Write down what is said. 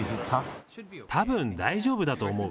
たぶん大丈夫だと思う。